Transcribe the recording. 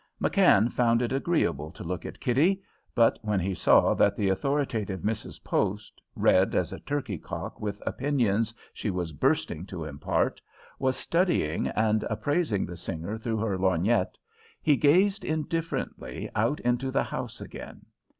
McKann found it agreeable to look at Kitty, but when he saw that the authoritative Mrs. Post, red as a turkey cock with opinions she was bursting to impart, was studying and appraising the singer through her lorgnette, he gazed indifferently out into the house again.